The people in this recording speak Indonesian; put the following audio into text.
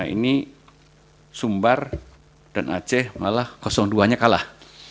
nah ini sumber dan ac malah kosong dua nya kalah